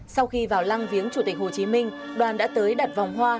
sau khi vào lăng viếng chủ tịch hồ chí minh đoàn đã tới đặt vòng hoa